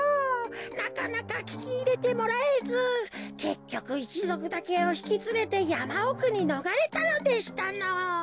なかなかききいれてもらえずけっきょくいちぞくだけをひきつれてやまおくにのがれたのでしたのぉ。